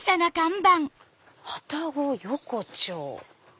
「旅籠横丁」。